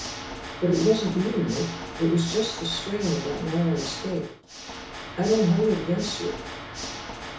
"But it wasn't you, Nick. It was just the strain of that narrow escape. I don't hold it against you."